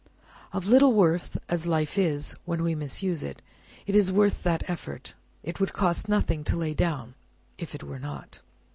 Of little worth as life is when we misuse it, it is worth that effort. It would cost nothing to lay down if it were not."